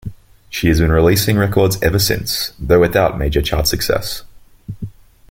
She has been releasing records ever since, though without major chart success.